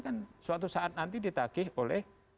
kan suatu saat nanti ditagih oleh